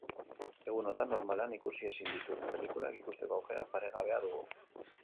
Egunotan normalean ikusi ezin ditugun pelikulak ikusteko aukera paregabea dugu.